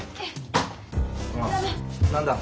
何だ？